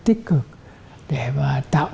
tích cực để mà tạo